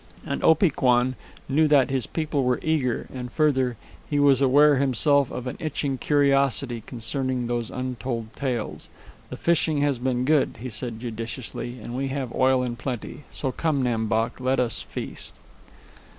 And Opee Kwan knew that his people were eager, and further, he was aware himself of an itching curiosity concerning those untold tales. "The fishing has been good," he said judiciously, "and we have oil in plenty. So come, Nam Bok, let us feast."